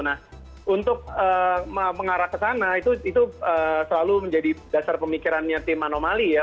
nah untuk mengarah ke sana itu selalu menjadi dasar pemikirannya tim anomali ya